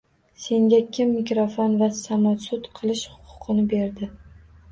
Senga kim mikrofon va samosud qilish huquqini berdi?